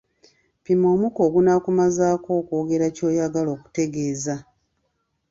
Pima omukka ogunaakumazaako okwogera ky'oyagala okutegeeza.